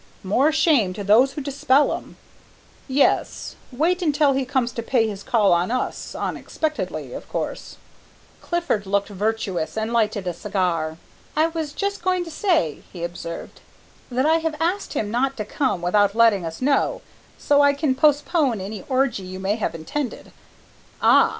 "More shame to those who dispel 'em!" "Yes, wait until he comes to pay his call on us, unexpectedly, of course " Clifford looked virtuous and lighted a cigar. "I was just going to say," he observed, "that I have asked him not to come without letting us know, so I can postpone any orgie you may have intended " "Ah!"